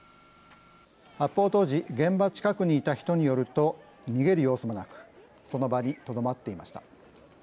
発砲当時現場近くにいた人によると逃げる様子もなくその場にとどまっていました。